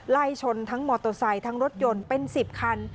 ไล่ชนทั้งมอเตอร์ไซค์ทั้งรถยนต์เป็น๑๐คัน